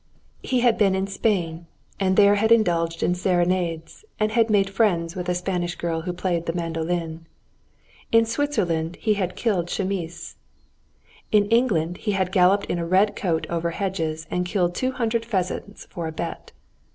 He had been in Spain, and there had indulged in serenades and had made friends with a Spanish girl who played the mandolin. In Switzerland he had killed chamois. In England he had galloped in a red coat over hedges and killed two hundred pheasants for a bet.